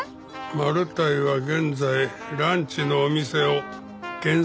マルタイは現在ランチのお店を検索中です。